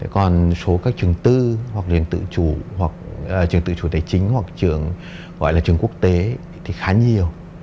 còn số các trường tư hoặc trường tự chủ tài chính hoặc trường gọi là trường quốc tế thì khá nhiều